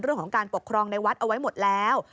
เรื่องของการปกครองในวัดเอาไว้หมดแล้ว